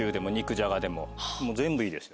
全部いいです。